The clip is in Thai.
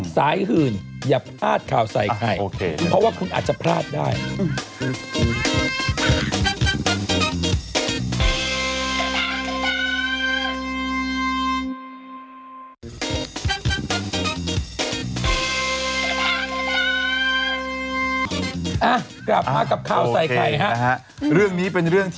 สายคืนอย่าพลาดข่าวใส่ใครเพราะว่าคุณอาจจะพลาดได้